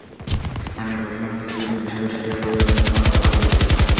স্থানীয় প্রশাসন কিছু কিছু বিষয় স্বীকার করে ব্যবস্থা নেওয়ার কথা বলেছেন।